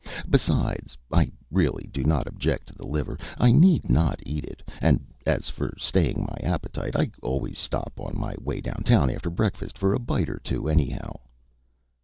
Besides, I really do not object to the liver. I need not eat it. And as for staying my appetite, I always stop on my way down town after breakfast for a bite or two anyhow."